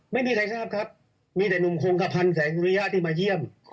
ไม่มีใครทราบครับมีแต่หนุ่มคงกระพันธ์แสงสุริยะที่มาเยี่ยม